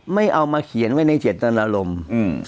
ไม่เอามาเขียนไว้ในเจตนารมณ์